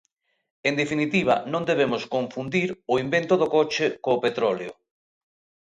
En definitiva non debemos confundir o invento do coche co petróleo.